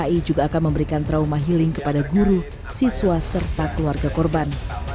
dki juga akan memberikan trauma healing kepada guru siswa serta keluarga korban